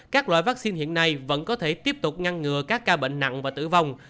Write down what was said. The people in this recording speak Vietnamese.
các loại vaccine hiện nay vẫn có thể tiếp tục ngăn ngừa các ca bệnh nặng và tử vong